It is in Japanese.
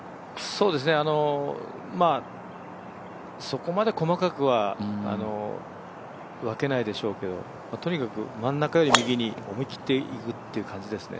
そうですね、そこまで細かくは分けないでしょうけど、とにかく真ん中より右に思い切っていくという感じですね。